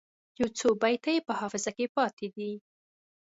یو څو بیته یې په حافظه کې پاته دي.